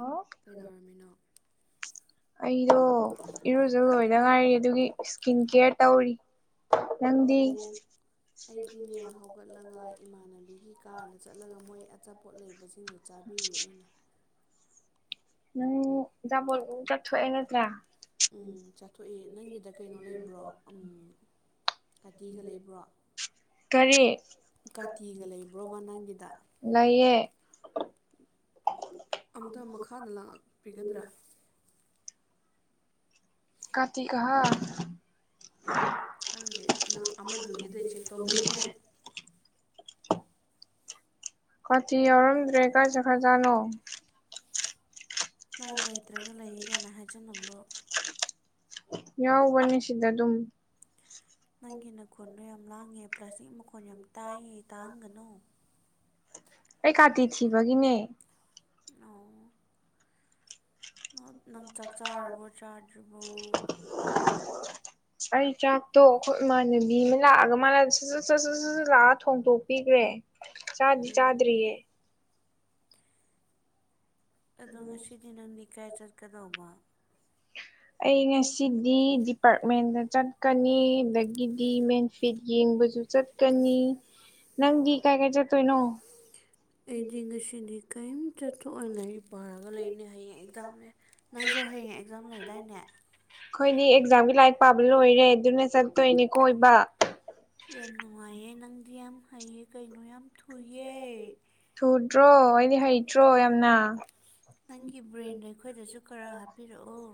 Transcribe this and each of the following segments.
ꯑꯣ ꯀꯩꯗꯧꯔꯝꯃꯤꯅꯣ ꯑꯩꯗꯣ ꯏꯔꯨꯖ ꯂꯣꯏꯗ ꯉꯥꯏꯔꯤ ꯑꯗꯨꯒꯤ ꯏꯁꯀꯤꯟ ꯀꯦꯌꯔ ꯇꯧꯔꯤ ꯅꯪꯗꯤ ꯑꯣ ꯑꯩꯗꯤꯅꯦ ꯍꯧꯒꯠꯂꯒ ꯏꯃꯥꯟꯅꯕꯤꯒꯤ ꯀꯥꯔꯗ ꯆꯠꯂꯒ ꯃꯣꯏ ꯑꯆꯥꯄꯣꯠ ꯂꯩꯕꯁꯤꯡꯗꯨꯣ ꯆꯥꯏ ꯊꯥꯕꯤꯔꯤꯌꯦ ꯑꯩꯅ [unintelligible] ꯎꯝꯕꯣ ꯆꯠ ꯊ ꯅꯠꯇ꯭ꯔꯥ ꯎꯝ ꯆꯥꯊꯣꯛꯑꯦ ꯅꯪꯒꯤꯗ ꯀꯩꯅꯣ ꯂꯩꯕ꯭ꯔꯣ ꯎꯝ ꯀꯥꯇꯤꯒ ꯂꯩꯕ꯭ꯔꯣ ꯀꯔꯤ ꯀꯥꯇꯤꯒ ꯂꯩꯕ꯭ꯔꯣ ꯃ ꯅꯪꯒꯤꯗ ꯂꯩꯌꯦ ꯑꯝꯇ ꯃꯈꯥꯗ ꯂꯥꯡꯉꯛꯄꯤꯒꯗ꯭ꯔꯥ ꯀꯥꯔꯇꯤ ꯀ ꯍꯥꯥ ꯈꯪꯗꯦ ꯅꯪ ꯑꯃꯗꯨꯒꯤꯗ ꯆꯦꯛ ꯇꯧꯕꯤꯌꯨꯅꯦ [unintelligible] ꯀꯥꯇꯤ ꯌꯥꯎꯔꯝꯗ꯭ꯔꯦ ꯈꯔꯖ ꯈ꯭ꯔꯖꯥꯠꯅꯣ ꯅꯪ ꯂꯩꯇ꯭ꯔꯒ ꯂꯩꯌꯦ ꯀꯥꯏꯅ ꯍꯥꯏꯖꯅꯤꯡꯕ꯭ꯔꯣ ꯌꯥꯎꯕꯅꯤ ꯁꯤꯗ ꯑꯗꯨꯝ ꯅꯪꯒꯤ ꯅꯀꯣꯟꯗꯣ ꯌꯥꯝ ꯂꯥꯡꯉꯦ ꯄ꯭ꯂꯥꯁꯇꯤꯛ ꯃꯈꯣꯟ ꯌꯥꯝ ꯇꯥꯏꯌꯦ ꯇꯥꯍꯟꯒꯅꯨ ꯑꯩꯩ ꯀꯥꯇꯤ ꯊꯕꯒꯤꯅꯦ ꯑꯣ ꯅꯪ ꯆꯥꯛ ꯆꯥꯔꯕꯣ ꯆꯥꯗ꯭ꯔꯤꯕꯣ ꯑꯩ ꯆꯥꯛꯇꯣ ꯑꯩꯈꯣꯏ ꯏꯃꯥꯟꯅꯕꯤ ꯑꯃ ꯂꯥꯛꯑꯒ ꯃꯥꯅꯠ ꯁꯠꯠ ꯁꯠꯨꯠ ꯂꯥꯛꯑ ꯊꯣꯡꯗꯣꯛꯄꯤꯈ꯭ꯔꯦ ꯆꯥꯗꯤ ꯎꯝ ꯆꯥꯗ꯭ꯔꯤꯌꯦ ꯑꯗꯣ ꯉꯁꯤꯗꯤ ꯅꯪꯗꯤ ꯏꯀꯥꯏ ꯆꯠꯀꯗꯧꯕ ꯑꯩ ꯉꯁꯤꯗꯤ ꯗꯤꯄꯥꯔꯠꯃꯦꯟꯗ ꯆꯠꯀꯅꯤ ꯑꯗꯒꯤꯗꯤ ꯃꯦꯟ ꯐꯤꯠ ꯌꯦꯡ ꯆꯠꯀꯅꯤ ꯅꯪꯗꯤ ꯀꯥꯏ ꯀꯥꯏ ꯆꯠꯇꯣꯏꯅꯣ ꯑꯩꯗꯤ ꯉꯁꯤꯗꯤ ꯀꯥꯏꯝ ꯆꯠꯊ ꯑꯏ ꯄꯔꯒ ꯂꯩꯅꯦ ꯍꯌꯦꯡ ꯑꯦꯛꯖꯥꯝꯅꯦ ꯅꯪꯁꯨ ꯍꯌꯦꯡ ꯑꯦꯛꯖꯥꯝ ꯂꯣꯏꯗꯥꯏꯅꯦ ꯑꯩꯈꯣꯏꯗꯤ ꯑꯦꯛꯖꯥꯝꯒꯤ ꯂꯥꯏꯔꯤꯛ ꯄꯥꯕ ꯂꯣꯏꯔꯦ ꯑꯗꯨꯅ ꯆꯠꯇꯣꯏꯅꯦ ꯀꯣꯏꯕ ꯌꯥꯝ ꯅꯨꯡꯉꯥꯏꯌꯦ ꯅꯪꯗꯤ ꯌꯥꯝ ꯍꯩꯌꯦ ꯀꯩꯅꯣ ꯌꯥꯝ ꯊꯨꯏꯦ ꯗꯤ ꯍꯩꯇ꯭ꯔꯣ ꯌꯥꯝꯅ ꯅꯪꯒꯤ ꯕ꯭ꯔꯦꯟꯗ ꯑꯩꯈꯣꯏꯗꯁꯨ ꯈꯔ ꯍꯥꯞꯄꯤꯔꯛꯑꯣ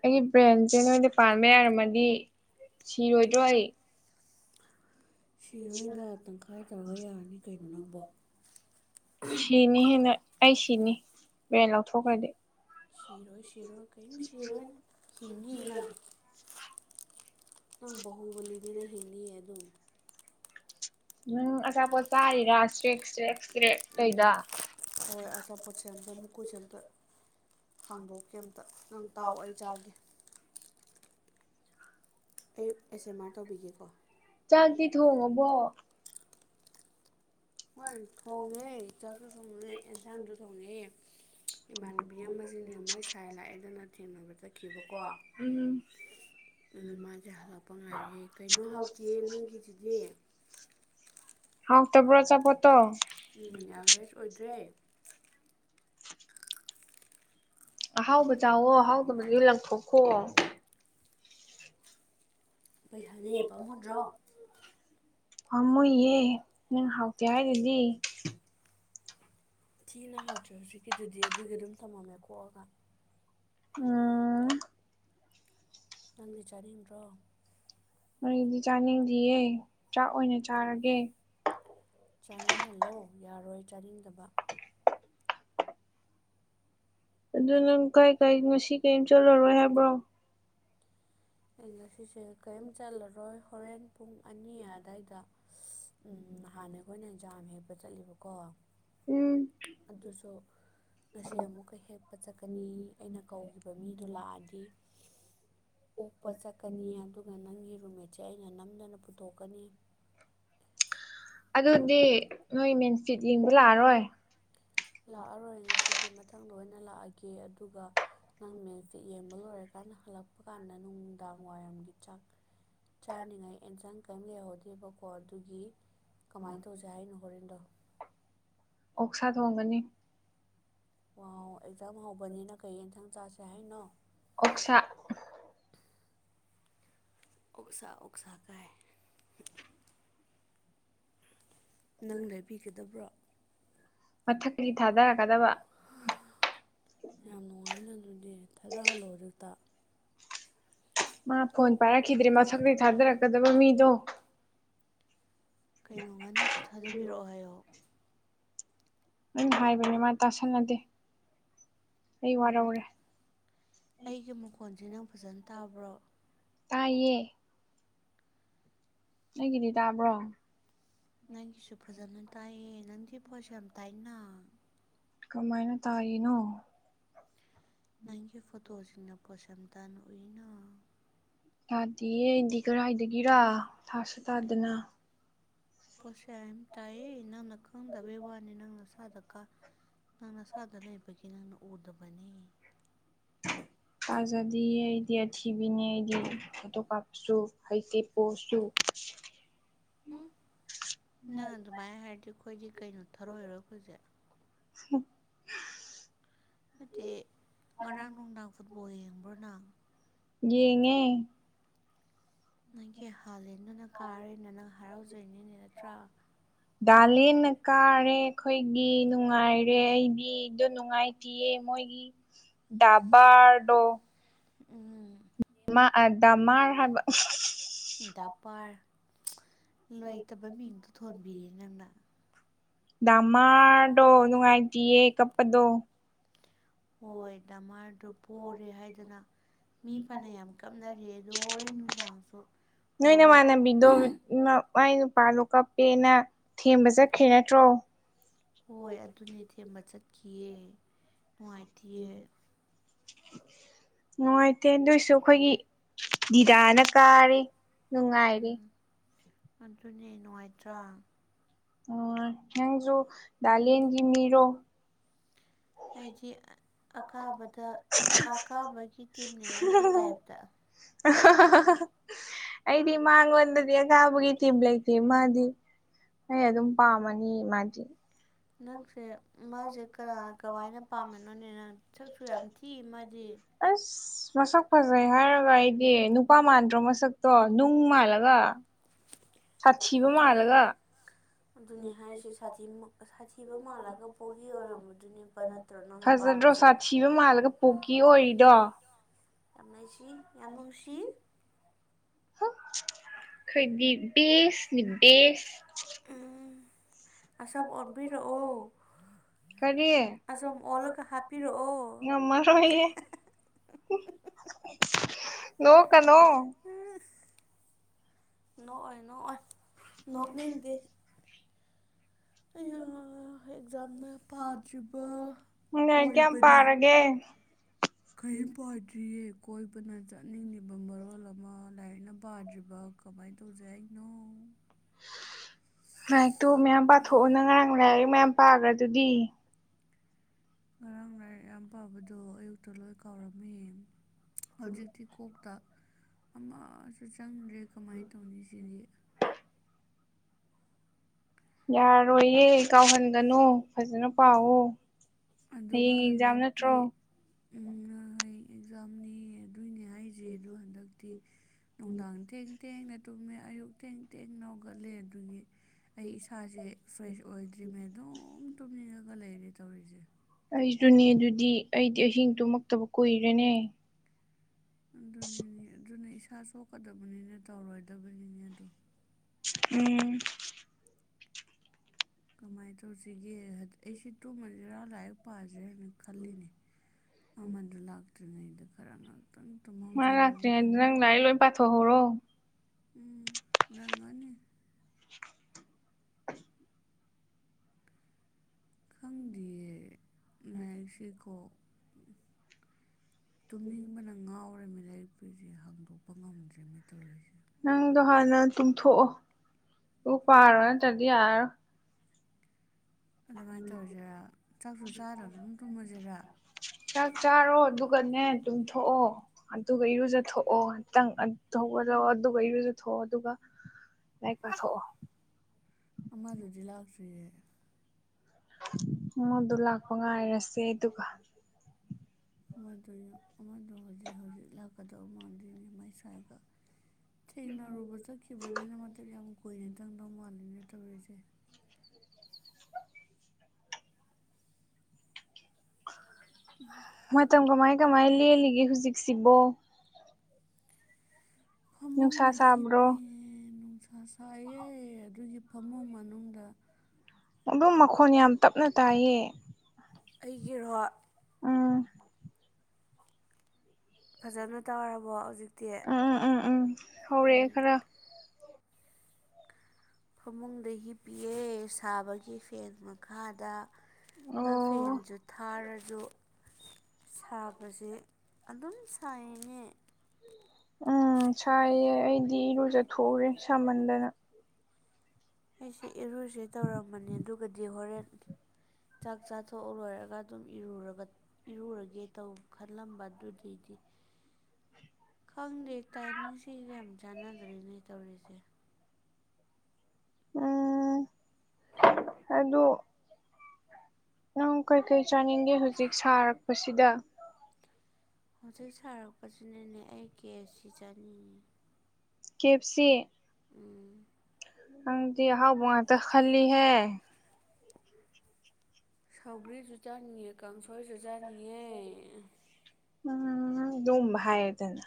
ꯑꯩꯒꯤ ꯕ꯭ꯔꯦꯟꯁꯦ ꯅꯣꯏꯗ ꯄꯥꯟꯕ ꯌꯥꯔꯝꯃꯗꯤ ꯁꯤꯔꯣꯏꯗꯏ ꯁꯤ ꯅꯣꯏꯗ ꯇꯪꯈꯥꯏ ꯇꯧꯔꯒ ꯌꯥꯔꯅꯤ ꯀꯩꯅꯣ ꯅꯪꯕꯣ ꯁꯤꯅꯤ ꯍꯦꯟꯅ ꯑꯩ ꯁꯤꯅꯤ ꯕ꯭ꯔꯦꯟ ꯂꯧꯊꯣꯛꯈ꯭ꯔꯗꯤ ꯁꯤꯔꯣꯏ ꯁꯔꯣꯏ ꯀꯩꯔꯣꯏꯅ ꯏꯅꯤ ꯏꯪ ꯑꯪ ꯍꯕꯅꯤꯒꯤꯅ ꯍꯅꯤ ꯑꯗꯨ ꯎꯝ ꯑꯁꯥ ꯄꯣ ꯆꯥꯔꯤ ꯔꯦꯁꯦ ꯎꯝ ꯍꯣꯏ ꯑꯆꯥꯄꯣꯠꯁꯇ ꯃꯨꯀꯨ ꯁꯦꯝꯇ ꯍꯥꯡꯗꯣꯛꯀꯦ ꯑꯝꯇ ꯅꯪ ꯇꯥꯎꯑꯣ ꯑꯩ ꯆꯥꯒꯦ ꯑꯩ ꯑꯦꯁ ꯑꯦꯝ ꯑꯥꯔ ꯇꯧꯕꯤꯒꯦꯀꯣ ꯆꯥꯛꯇ ꯊꯣꯡꯉꯕꯣ ꯍꯣꯏ ꯊꯣꯡꯉꯦ ꯆꯥꯛꯁꯨ ꯊꯣꯡꯉꯦ ꯑꯦꯟꯁꯥꯡꯁꯨ ꯊꯣꯡꯉꯦ ꯏꯃꯥꯟꯅꯕꯤ ꯑꯃꯅꯦ ꯃꯣꯏ ꯁꯥꯏ ꯂꯥꯛꯑꯦꯗꯅ ꯊꯦꯡꯅꯕ ꯆꯠꯈꯤꯕꯀꯣ ꯎꯝ ꯑꯗꯣ ꯃꯥꯁꯦ ꯍꯜꯂꯛꯄ ꯉꯥꯏꯔꯦ ꯀꯩꯅꯣ ꯍꯥꯎꯇꯦ ꯅꯣꯏꯒꯤꯁꯤꯗꯤ ꯍꯥꯎ ꯇꯦꯕ꯭ꯔꯣ ꯆꯄꯠꯇꯣ ꯎꯝ ꯌꯥꯝ ꯚ꯭ꯔꯦꯁ ꯑꯣꯏꯗ꯭ꯔꯦ ꯑꯍꯥꯎꯕ ꯆꯥꯛꯑꯣꯣ ꯑꯍꯥꯎꯕ ꯃ ꯂꯪꯊꯣꯛꯈꯣ ꯄꯩꯁꯥꯅꯦꯦꯕꯃꯨꯗ꯭ꯔꯣ ꯐꯝꯃꯨꯌꯦꯦ ꯅꯪ ꯍꯥꯎꯇꯦ ꯍꯥꯏꯗꯦꯗꯤ ꯊꯤꯅ ꯍꯥꯎꯗ꯭ꯔꯦ ꯍꯧꯖꯤꯛꯀꯤꯗꯨꯗꯤ ꯑꯗꯨꯒꯤ ꯑꯗꯨꯝ ꯊꯝꯃꯝꯃꯦ ꯀꯣꯛꯑꯒ ꯎꯝ ꯅꯪꯕꯤ ꯆꯥꯅꯤꯝ ꯔ ꯃꯗꯤ ꯆꯥꯅꯤꯡꯗ꯭ꯌꯦ ꯆꯥꯛ ꯑꯣꯏꯅ ꯆꯥꯔꯒꯦ ꯆꯥꯅꯤꯡꯍꯜꯂꯣ ꯌꯥꯔꯣꯏ ꯆꯥꯅꯤꯡꯗꯕ ꯑꯗꯨ ꯅꯪ ꯀꯥꯏ ꯀꯥꯏ ꯉꯁꯤ ꯀꯔꯤꯝ ꯆꯠꯂꯔꯣꯏ ꯍꯥꯏꯕ꯭ꯔꯣ ꯑꯩ ꯉꯁꯤꯁꯦ ꯀꯔꯤꯝ ꯆꯜꯂꯔꯣꯏ ꯍꯣꯔꯦꯟ ꯄꯨꯡ ꯑꯅꯤ ꯑꯗꯨꯋꯥꯏꯗ ꯆꯠꯂꯦꯕꯀꯣ ꯎꯝ ꯑꯗꯨꯁꯨ ꯉꯁꯤ ꯑꯃꯨꯛꯀ ꯍꯦꯛ ꯄꯠ ꯆꯠꯀꯅꯤ ꯑꯩꯅ ꯀꯧꯈꯤꯕ ꯃꯤꯗꯣ ꯂꯥꯛꯑꯗꯤ ꯀꯛꯄ ꯆꯠꯀꯅꯤ ꯑꯗꯨꯒ ꯅꯪꯒꯤ ꯔꯨꯝꯃꯦꯠꯁꯦ ꯑꯩꯅ ꯅꯝꯗꯅ ꯄꯨꯊꯣꯛꯀꯅꯤ ꯑꯗꯨꯗꯤ ꯅꯣꯏ ꯃꯦꯟꯁꯤꯠ ꯌꯦꯡꯕ ꯂꯥꯛꯑꯔꯣꯏ ꯂꯥꯛꯑꯔꯣꯏꯅꯦ ꯁꯤꯗꯤ ꯃꯊꯪꯗ ꯑꯣꯏꯅ ꯂꯥꯛꯑꯒꯦ ꯑꯗꯨꯒ ꯅꯪ ꯃꯦꯟꯁ ꯌꯦꯡꯕ ꯂꯣꯏꯔ ꯀꯥꯟ ꯀꯟꯅ ꯍꯜꯂꯛꯄ ꯀꯥꯟꯗ ꯅꯨꯡꯗꯥꯡ ꯋꯥꯏꯔꯝꯒꯤ ꯆꯥꯛ ꯆꯥꯅꯤꯉꯥꯏ ꯑꯦꯟꯁꯥꯡ ꯀꯩꯝ ꯂꯩꯍꯧꯗꯦꯕꯀꯣ ꯑꯗꯨꯒꯤ ꯀꯃꯥꯏꯅ ꯇꯧꯁꯤꯦ ꯍꯥꯏꯅꯣ ꯍꯣꯔꯦꯟꯗꯣ ꯑꯣꯛꯁꯥ ꯊꯣꯡꯒꯅꯤ ꯋꯥ ꯑꯦꯛꯖꯥꯝ ꯍꯧꯕꯅꯤꯅ ꯀꯩ ꯌꯦꯟꯊꯥꯡ ꯆꯥꯁꯦ ꯍꯥꯏꯅꯣ ꯑꯣꯛꯁꯥ ꯑꯣꯛꯁꯥ ꯑꯣꯛꯁ ꯀꯥꯏ ꯅꯪ ꯂꯩꯕꯤꯒꯗꯕ꯭ꯔꯣ ꯃꯊꯛꯗꯤ ꯊꯥꯗꯔꯛꯀꯗꯕ ꯌꯥꯝ ꯅꯨꯡꯉꯥꯏꯅ ꯑꯗꯨꯗꯤ ꯊꯥꯗꯍꯜꯂꯣ ꯍꯧꯖꯤꯛꯇ ꯃꯥ ꯐꯣꯟ ꯄꯥꯏꯔꯛꯈꯤꯗ꯭ꯔꯦ ꯃꯊꯛꯇ ꯊꯥꯗꯔꯛꯀꯗꯕ ꯃꯤꯗꯣ ꯀꯩꯅꯣ ꯉꯥꯅꯨꯁꯨ ꯊꯥꯗꯕꯤꯔꯛꯑꯣ ꯍꯥꯏꯌꯣ ꯅꯪ ꯍꯥꯏꯕꯅꯦ ꯃꯥ ꯇꯥꯁꯟꯅꯗꯦ ꯑꯩ ꯎꯝ ꯋꯥꯔꯧꯔꯦ ꯑꯩꯒꯤ ꯃꯣꯟꯁꯦ ꯅꯪ ꯐꯖꯅ ꯇꯥꯕ꯭ꯔꯣ ꯇꯥꯏꯌꯦꯦ ꯅ ꯀꯗꯤ ꯇꯥꯕ꯭ꯔꯣ ꯅꯪꯒꯤꯁꯨ ꯐꯖꯅ ꯇꯥꯏꯌꯦ ꯅꯪꯗꯤ ꯐꯣꯠꯁꯨ ꯌꯥꯝ ꯇꯥꯏꯅ ꯀꯃꯥꯏꯅ ꯇꯥꯔꯤꯅꯣ ꯅꯪꯒꯤ ꯐꯣꯇꯣꯁꯤꯡꯅ ꯄꯣꯠꯁꯝ ꯇꯅ ꯎꯏꯅ ꯇꯥꯗꯦꯌꯦ ꯑꯩꯗꯤ ꯀꯔꯥꯏꯗꯒꯤꯔꯥ ꯊꯥꯁꯨ ꯇꯥꯗꯅ ꯄꯣꯠꯁꯦ ꯑꯝ ꯇꯥꯏꯌꯦ ꯅꯪꯅ ꯈꯪꯗꯕꯒꯤ ꯋꯥꯅꯤ ꯅꯪꯅ ꯅꯁꯥꯗꯀꯥ ꯅꯅꯁꯗ ꯂꯩꯄꯒꯤ ꯅꯪꯅ ꯎꯔꯗꯕꯅꯦ ꯐꯖꯗꯤ ꯑꯩꯗꯤ ꯑꯊꯤꯕꯤꯅꯤ ꯑꯩꯗꯤ ꯐꯣꯇꯣ ꯀꯥꯞꯁꯨ ꯍꯩꯀꯦ ꯄꯣꯁꯨ [unintelligible] [inaudible] ꯎꯝ ꯅꯪ ꯑꯗꯨꯃꯥꯏꯅ ꯍꯥꯏꯔꯗꯤ ꯑꯩꯈꯣꯏꯗꯤ ꯀꯩꯅꯣ ꯊꯧꯔꯣꯏꯔꯣꯏ ꯑꯩꯈꯣꯏꯁꯦ [unintelligible] [inaudible] ꯅꯠꯇꯦ ꯉꯔꯥꯡ ꯅꯨꯡꯗꯥꯡ ꯐꯨꯠꯕꯣꯜ ꯌꯦꯡꯕ꯭ꯔꯣꯅ ꯌꯦꯡꯉꯦ ꯅꯪꯒꯤ ꯍꯥꯜꯂꯦꯅ ꯅꯪ ꯀꯥꯔꯦꯅ ꯅꯪ ꯍꯔꯥꯎꯖ ꯗꯂꯤꯅ ꯀꯥꯔꯦ ꯈꯣꯏ ꯑꯩꯒꯤ ꯅꯨꯡꯉꯥꯏꯔꯦ ꯑꯩꯗꯤ ꯑꯗꯨꯣ ꯅꯨꯡꯉꯥꯏꯇꯌꯦ ꯃꯣꯏꯒꯤ ꯗꯥꯕꯥꯔ ꯀꯗꯣ ꯎꯝ ꯥ ꯗꯃꯥ ꯍꯕ ꯗꯄꯥꯔ ꯍ ꯂꯩꯇꯕ ꯃꯤꯡꯗꯣ ꯊꯣꯟꯕꯤꯔꯦ ꯅꯪꯅ [unintelligible] [inaudible] ꯗꯗꯥ ꯃꯥꯥꯗꯣ ꯑꯗꯨꯅꯨꯡꯉꯥꯏꯇꯑꯦ ꯀꯄꯗꯣ ꯍꯣꯏ ꯇ ꯑꯃꯔꯗꯨ ꯄꯣꯔꯦ ꯍꯥꯏꯗꯅ ꯃꯤ ꯐꯅ ꯌꯥꯝ ꯀꯥꯞꯅꯔꯦ ꯑꯗꯣ ꯍꯣꯔꯦꯟ ꯅꯨꯡꯗꯥꯡꯁꯨ ꯅꯣꯏꯅꯦ ꯔꯣꯅꯥ ꯃꯥꯅ ꯕꯤꯗꯣ ꯃꯥꯥꯏ ꯄꯥꯂꯨ ꯀꯞꯦꯅ ꯍꯣꯏ ꯑꯗꯨꯅꯦ ꯊꯦꯝꯕ ꯆꯠꯈꯤꯑ ꯅꯨꯡꯉꯥꯏꯇꯦ ꯃꯅꯨꯡꯥꯏ ꯇꯦꯟꯗꯣꯏꯁꯨ ꯑꯩꯈꯣꯏꯒꯤ ꯅꯤꯗꯥꯅ ꯀꯥꯔꯦ ꯅꯨꯡꯉꯥꯏꯔꯦ ꯎꯝ ꯑꯗꯨꯅꯦ ꯅꯨꯡꯉꯥꯏꯇ꯭ꯔꯥ ꯎ ꯅꯪꯁꯨ ꯗꯥꯥꯂꯦꯟꯒꯤ ꯃꯤꯔꯣ ꯑꯩꯖꯤ ꯑꯀꯥꯕꯗ ꯑꯀꯥꯕꯒꯤ ꯇꯤꯝꯅꯦ ꯅꯪꯒꯤ ꯇꯥꯏꯞꯇ ꯑꯩꯗꯤ ꯃꯥꯡꯉꯣꯟꯗꯗꯤ ꯑꯀꯥꯕꯒꯤ ꯊꯤꯝ ꯂꯩꯇꯦ ꯃꯥ ꯍꯣꯏ ꯑꯗꯨꯝ ꯄꯥꯝꯃꯅꯤ ꯃꯥꯗꯤ ꯅꯪꯈ꯭ꯔꯦ ꯃꯥꯁꯦ ꯀꯅꯥꯅ ꯀꯃꯥꯏꯅ ꯄꯥꯝꯃꯤꯅꯣꯅꯤꯅ ꯁꯛꯁꯨ ꯌꯥꯝ ꯊꯤ ꯃꯥꯗꯤ ꯑꯁ ꯃꯁꯛ ꯐꯖꯩ ꯍꯥꯏꯔꯒ ꯑꯩꯗꯤ ꯅꯨꯄꯥ ꯃꯥꯟꯗ꯭ꯔꯣ ꯃꯁꯛꯇꯣ ꯅꯨꯡ ꯃꯥꯜꯂꯒ ꯁꯥꯁꯤꯕꯨ ꯃꯥꯂꯒ ꯑꯗꯨꯅꯦ ꯍꯥꯏꯔꯤꯁꯦ ꯁꯥꯊꯤ ꯁꯥꯊꯤꯕ ꯃꯥꯜꯂꯒ ꯄꯣꯒꯤ ꯑꯣꯏꯔꯝꯕꯗꯨꯅꯦꯕ ꯅꯠꯇ꯭ꯔꯅꯅ ꯗ꯭ꯔꯣꯁꯥ ꯊꯤꯕ ꯃꯥꯜꯂꯒ ꯄꯨꯣꯛꯀꯤ ꯑꯣꯏꯔꯤꯗꯣ ꯌꯥꯝ ꯅꯨꯡꯁꯤ ꯌꯥꯝ ꯅꯨꯡꯁꯤ [unintelligible] [inaudible] ꯈꯣꯏꯗꯤꯁ ꯗꯁ ꯎꯝ ꯑꯁꯥ ꯑꯁꯝ ꯀꯗ ꯑ ꯑꯣꯟꯕꯤꯔꯛꯑꯣ ꯀꯔꯤ ꯑꯁꯝ ꯑꯣꯜꯂꯒ ꯍꯥꯞꯄꯤꯔꯛꯑꯣ ꯉꯃꯔ ꯅꯣ ꯀꯅꯣ [unintelligible] [inaudible] ꯅꯣꯛꯑꯣꯏ ꯅꯣꯛꯑꯣꯏ ꯅꯣꯛꯅꯤꯡꯗꯦ ꯑꯦꯛꯖꯥꯝꯅ ꯄꯥꯗ꯭ꯔꯤꯕ ꯂꯥꯏꯔꯤꯛ ꯀꯌꯥꯝ ꯑꯣꯏꯕꯅꯦ ꯄꯥꯔꯒꯦ ꯀꯩ ꯄꯥꯗ꯭ꯔꯤꯌꯦ ꯀꯣꯏꯕꯅ ꯆꯠꯅꯤꯡꯉꯕ ꯕ ꯃꯔꯣꯜ ꯑꯃ ꯂꯥꯏꯔꯤꯛꯅ ꯄꯥꯗ꯭ꯔꯤꯕ ꯀꯃꯥꯏꯅ ꯇꯧꯖꯦꯅꯣ ꯂꯥꯏꯔꯤꯛꯇꯣ ꯃꯌꯥꯝ ꯄꯥꯊꯣꯛꯎꯅ ꯉꯥꯡ ꯂꯥꯏꯔꯤꯛ ꯃꯌꯥꯝ ꯄꯥꯈ꯭ꯔ ꯑꯗꯨꯗꯤ ꯉꯔꯥꯡ ꯂꯥꯏꯔꯤꯛ ꯌꯥꯝ ꯄꯥꯕꯗꯣ ꯑꯌꯨꯛꯇ ꯂꯣꯏ ꯀꯥꯎꯔꯝꯃꯤ ꯍꯧꯖꯤꯛꯇꯤ ꯀꯣꯛꯇ ꯑꯃꯁꯨ ꯆꯪꯗ꯭ꯔꯦ ꯀꯃꯥꯏꯅ ꯇꯧꯅꯤ ꯁꯤꯗꯤ ꯌꯥꯔꯣꯏꯌꯦ ꯀꯥꯎꯍꯟꯒꯅꯨ ꯐꯖꯅ ꯄꯥꯋ ꯍꯌꯦꯡ ꯑꯦꯛꯖꯥꯝ ꯅꯠꯇ꯭ꯔꯣ ꯍ ꯑꯦꯛꯖꯥꯝꯅꯤ ꯑꯗꯨꯏꯅꯦ ꯍꯥꯏꯁꯦ ꯑꯗꯣ ꯍꯟꯗꯛꯇꯤ ꯅꯨꯡꯗꯥꯡ ꯊꯦꯡ ꯊꯦꯡꯅ ꯇꯨꯝꯃꯦ ꯑꯌꯨꯛ ꯊꯦꯡ ꯊꯦꯡ ꯅꯥꯒꯠꯂꯦ ꯑꯗꯨꯒꯤ ꯑꯩ ꯏꯁꯥꯁꯦ ꯐ꯭ꯔꯦꯁ ꯑꯣꯏꯗ꯭ꯔꯤꯅꯦ ꯑꯗꯨꯝ ꯇꯨꯝꯅꯤꯡꯉꯒ ꯂꯩꯔꯦ ꯇꯧꯔꯤꯁꯦ ꯑꯩꯖꯅꯦ ꯑꯗꯨꯗꯤ ꯑꯩꯗꯤ ꯑꯍꯤꯡ ꯇꯨꯝꯃꯛꯇꯕ ꯀꯨꯏꯔꯦꯅꯦ [unintelligible] ꯑꯗꯨꯅꯤꯅꯦ [inaudible] ꯑꯗꯨꯅ ꯏꯁꯥ ꯆꯣꯛꯀꯗꯕꯅꯤꯅ ꯇꯧꯔꯣꯏꯗꯕꯅꯤꯅꯦ ꯑꯗꯣ ꯎꯝ [inaudible] ꯀꯃꯥꯏꯅ ꯇꯧꯁꯤꯒꯦ ꯑꯩ ꯁꯤ ꯇꯨ ꯃꯟꯖꯔꯥ ꯂꯥꯏꯛ ꯄ ꯐꯗ꯭ꯔꯦ ꯍꯥꯏꯅ ꯈꯜꯂꯤꯅꯦ ꯑꯃꯗꯨ ꯂꯥꯛꯇ꯭ꯔꯤꯉꯩꯗ ꯈꯔ ꯉ ꯃꯥ ꯂꯥꯛꯇ꯭ꯔꯤ ꯍꯥꯏꯗꯤ ꯅꯪ ꯂꯥꯏ ꯂꯣꯏ ꯄꯥꯊꯣꯛꯍꯣꯔꯣ ꯎꯝ ꯅꯪꯉꯅꯤ ꯈꯪꯗꯤꯅ ꯁꯤ ꯀꯧꯕ ꯇꯨꯝꯅꯤꯡꯕꯅ ꯉꯥꯎꯔꯝꯃꯤ ꯂꯥꯏꯔꯤꯛꯄꯨꯁꯦ ꯍꯥꯡꯗꯣꯛꯄ ꯉꯝꯗ꯭ꯔꯦꯃꯤ ꯇꯧꯔꯤꯁꯦ ꯅꯪꯗꯣ ꯍꯥꯟꯅ ꯇꯨꯝꯊꯣꯛꯑꯣ ꯑꯗꯨꯒ ꯄꯥꯔꯣ ꯅꯠꯇ꯭ꯔꯗꯤ ꯌꯥꯔꯣꯏ ꯑꯗꯨꯃꯥꯏꯅ ꯇꯧꯔꯁꯤꯔꯥ ꯆꯥꯛꯁꯨ ꯆꯥꯗꯕ ꯎꯝ ꯑꯗꯨꯝ ꯇꯨꯝꯃꯁꯤꯔꯥ ꯆꯥꯛ ꯆꯥꯔꯣ ꯑꯗꯨꯒꯅꯦ ꯇꯨꯝꯊꯣꯛꯑꯣ ꯑꯗꯨꯒ ꯏꯔꯨꯖꯊꯣꯛꯑꯣ ꯉꯇꯪꯧꯕ ꯑꯣ ꯑꯗꯨꯒ ꯏꯁꯨ ꯊꯣꯛꯑꯣ ꯑꯗꯨꯒ ꯂꯩ ꯀ ꯊꯣꯛꯑꯣ ꯑꯃꯗꯨꯗꯤ ꯂꯥꯛꯇ꯭ꯔꯤꯌꯦ ꯃꯗꯨ ꯂꯥꯛꯄ ꯉꯥꯏꯔꯁꯦ ꯑꯗꯨꯒ ꯑꯗ [inaudible] ꯀꯗꯧ ꯃꯥꯥꯟꯗꯅꯦ ꯃꯥꯏꯁꯥꯏꯒ ꯊꯦꯡꯅꯔꯨꯕ ꯆꯠꯈꯤꯕꯅꯤꯅ ꯃꯇ ꯌꯥꯝ ꯀꯨꯏꯔꯦ ꯈꯪꯗꯧ ꯃꯥꯜꯂꯤꯅꯦ ꯇꯧꯔꯤꯁꯦ ꯃꯇꯝ ꯀꯃꯥꯏ ꯀꯃꯥꯏ ꯂꯦꯜꯂꯤꯒꯦ ꯍꯧꯖꯤꯛꯁꯤꯕꯣ ꯅꯨꯡꯁꯥ ꯐꯃꯨꯡꯗꯨ ꯍ ꯁꯥꯕ꯭ꯔꯣ ꯄꯦꯅꯨ ꯁꯥ ꯁꯥꯏꯑꯦ ꯑꯗꯨꯒꯤ ꯐꯃꯨꯡ ꯃꯅꯨꯡꯗ ꯑꯗꯨꯝ ꯃꯈꯣꯟ ꯌꯥꯝ ꯇꯞꯅ ꯇꯥꯏꯌꯦ ꯑꯩꯒꯤ ꯔꯣ ꯑꯝ [inaudible] ꯐꯖꯅ ꯇꯧꯔꯕꯣ ꯍꯧꯖꯤꯛꯇꯤ ꯎꯝ ꯎꯝ ꯎꯝ ꯎꯝ ꯍꯧꯔꯛꯑꯦ ꯎꯝ ꯈꯔ ꯐꯃꯨꯡꯗ ꯍꯤꯞ ꯄꯤꯑꯦ ꯁꯥꯕꯒꯤ ꯐꯦꯟ ꯃꯈꯥꯗ ꯑꯗꯣ ꯑꯣ ꯐꯦꯟꯁꯨ ꯊꯥꯔꯒ ꯑꯗꯣ ꯁꯥꯕꯁꯦ ꯑꯗꯨꯝ ꯁꯥꯏꯅꯦ ꯎꯝ ꯁꯥꯏꯌꯦ ꯑꯩꯗꯤ ꯏꯔꯨꯖꯠꯊꯎꯔꯦ ꯁꯥꯃꯟꯗꯅ ꯑꯩꯁꯦ ꯏꯔꯨꯁꯦ ꯇꯧꯔꯝꯕꯅꯦ ꯑꯗꯨꯒꯗꯤ ꯍꯣꯔꯦꯟ ꯆꯥꯛ ꯆꯥꯊꯣꯛ ꯂꯣꯏꯔꯒ ꯑꯗꯨꯝ ꯏꯔꯨꯔꯒꯦ ꯇꯧ ꯈꯜꯂꯝꯕ ꯑꯗꯨꯏꯗꯤ ꯎꯝ ꯈꯪꯗꯦ ꯇꯥꯏꯃꯤꯡꯁꯤꯒ ꯆꯥꯟꯅꯗ꯭ꯔꯤꯅꯦ ꯇꯧꯔꯤꯁꯦ ꯎꯝ ꯀꯣ ꯅꯪ ꯀꯩꯀꯩ ꯆꯥꯅꯤꯡꯗꯦ ꯍꯧꯖꯤꯛ ꯁꯥꯔꯛꯄꯁꯤꯗ ꯍꯧꯖꯤꯛ ꯁꯥꯔꯛꯄꯁꯤꯅꯅꯦ ꯑꯩ ꯀꯦꯁ ꯁꯤ ꯆꯥꯅꯤꯡꯉꯤ ꯀꯦꯞꯁꯤ ꯎꯝ ꯑꯪ ꯍꯥꯥꯎ ꯋꯥ ꯇ ꯈꯂꯤ ꯍ ꯁꯧꯒ꯭ꯔꯤꯁꯨ ꯆꯥꯅꯤꯡꯉꯦ ꯀꯥꯡꯁꯣꯏꯁꯨ ꯆꯥꯅꯤꯡꯉꯦ ꯎꯝ ꯑꯗꯨꯒꯝꯕ ꯍꯥꯏꯔꯦꯗꯅ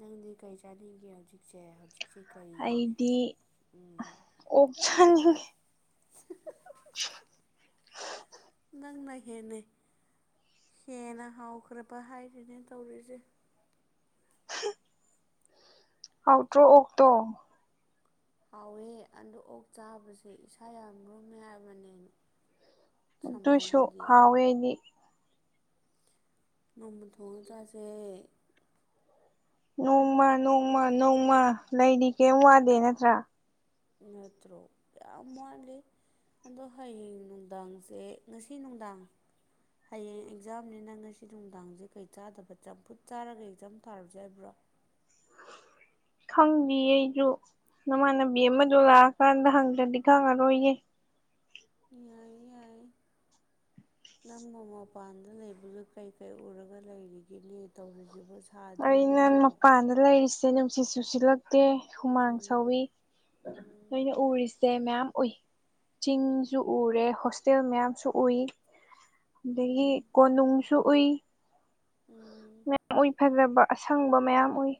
ꯅꯪꯗꯤ ꯀꯔꯤ ꯆꯥꯅꯤꯡꯒꯦ ꯍꯧꯖꯤꯛꯁꯦ ꯍꯧꯖꯤꯛ ꯑꯩꯗꯤ ꯑꯣꯛꯆꯪ [unintelligible] ꯅꯪꯅ ꯍꯦꯟꯅꯩ ꯍꯦꯟꯅ ꯍꯥꯎꯈ꯭ꯔꯕ ꯍꯥꯏꯔꯤꯅꯦ ꯇꯧꯔꯤꯁꯦ ꯍꯧꯥꯎꯇ꯭ꯔꯣ ꯑꯣꯛꯇꯣ ꯍꯥꯎꯋꯦ ꯑꯗ ꯑꯣꯛ ꯆꯥꯕꯁꯦ ꯏꯁꯥ ꯌꯥꯝ ꯨꯝꯃꯦ ꯍꯥꯏꯕꯅꯦ ꯇꯨꯏꯁꯨ ꯁꯝꯃꯔꯗꯗꯤ ꯍꯥꯎꯋꯦꯅꯤ ꯅꯣꯡꯃ ꯊꯣꯡꯉꯇꯁꯦ ꯅꯣꯡꯃ ꯅꯣꯡꯃ ꯅꯣꯡꯃ ꯂꯩꯗꯤ ꯀꯔꯤꯝ ꯋꯥꯗꯦ ꯅꯠꯇ꯭ꯔꯥ ꯅꯠꯇ꯭ꯔꯣ ꯌꯥꯝ ꯋꯥꯂ ꯑꯗꯣ ꯍꯌꯦꯡ ꯅꯨꯡꯗꯥꯡꯁꯦ ꯉꯁꯤ ꯅꯨꯡꯗꯥꯡ ꯍꯌꯦꯡ ꯑꯦꯛꯖꯥꯝꯅꯤꯅ ꯉꯁꯤ ꯅꯨꯡꯗꯥꯡꯁꯦ ꯀꯩ ꯆꯥꯗꯕ ꯆꯝꯐꯨꯠ ꯆꯥꯔꯒ ꯑꯦꯛꯖꯥꯝ ꯊꯥꯔꯨꯁꯦ ꯍꯥꯏꯕ꯭ꯔꯣ ꯈꯪꯉ ꯑꯩꯁꯨ ꯅꯃꯥꯟꯅꯕꯤ ꯑꯃꯗꯣ ꯂꯥꯛꯑꯀꯥꯟꯗ ꯍꯪꯗ꯭ꯔꯗꯤ ꯈꯪꯉꯔꯣꯏꯌꯦ ꯌꯥꯏ ꯌꯥꯏ ꯎ ꯅꯪꯕꯨ ꯃꯄꯥꯟꯗ ꯂꯩꯕꯗꯨ ꯀꯩ ꯀꯩ ꯎꯔꯒ ꯂꯩꯔꯤꯒꯦꯅꯦ ꯇꯧꯔꯤꯁꯤ ꯑ ꯅ ꯃꯄꯥꯟꯗ ꯂꯩꯔꯤꯁꯦ ꯅꯨꯡꯁꯤꯠ ꯆꯨꯁꯤꯜꯂꯛꯇꯦ ꯍꯨꯃꯥꯡ ꯎꯝ ꯁꯧꯋꯤ ꯎꯝ ꯅꯣꯏꯅ ꯎꯔꯤꯁꯦ ꯃꯌꯥꯝ ꯎꯏ ꯆꯤꯡꯁꯨ ꯎꯔꯦ ꯍꯣꯁꯇꯦꯜ ꯃꯌꯥꯝꯁꯨ ꯎꯏ ꯑꯗꯒꯤ ꯎꯝ ꯀꯣꯅꯨꯡꯁꯨ ꯎꯏ ꯎꯝ ꯃꯌꯥꯝ ꯎꯏ ꯐꯖꯕ ꯑꯁꯪꯕ ꯃꯌꯥꯝ ꯎꯏ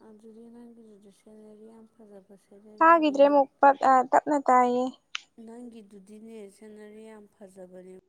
ꯑ ꯑꯗꯨꯗꯤ ꯅꯪꯒꯤꯗꯗꯤ ꯁꯦꯜꯔꯤ ꯍꯐꯖꯕ ꯍꯥꯏꯗ꯭ꯔꯦ ꯃꯛꯄ ꯑ ꯇꯞꯅ ꯇꯥꯏꯌꯦ ꯑꯗꯨꯗꯤꯅꯦ ꯁꯤꯅꯔꯤ ꯌꯥꯝ ꯐꯖꯕꯅꯦ